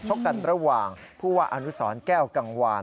ชกกันระหว่างผู้ว่าอนุสรแก้วกังวาน